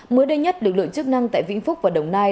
mới đây nhất lực lượng chức năng tại vĩnh phúc và đồng nai